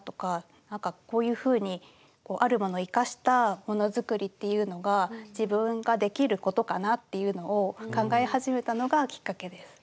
なんかこういうふうにあるものを生かしたものづくりっていうのが自分ができることかなっていうのを考え始めたのがきっかけです。